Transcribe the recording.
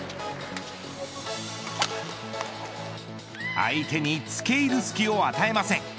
相手につけいる隙を与えません。